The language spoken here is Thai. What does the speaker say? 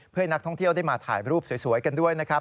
เพื่อให้นักท่องเที่ยวได้มาถ่ายรูปสวยกันด้วยนะครับ